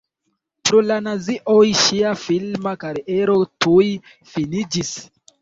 Pro la nazioj ŝia filma kariero tuj finiĝis.